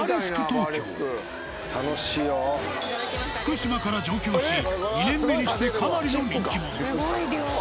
東京福島から上京し２年目にしてかなりの人気者